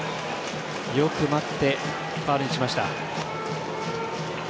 よく待ってファウルにしました。